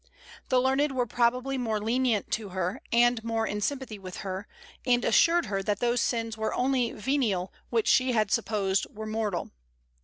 The learned were probably more lenient to her, and more in sympathy with her, and assured her that those sins were only venial which she had supposed were mortal.